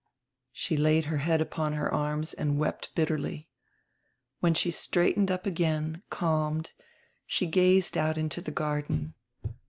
She laid her head upon her arms and wept bitterly. When she straightened up again, calmed, she gazed out into die garden.